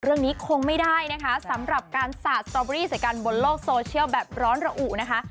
เรื่องนี้คงไม่ได้นะคะสำหรับการสาดสตอเบอรี่ใส่กันบนโลกโซเชียลแบบร้อนระอุนะคะ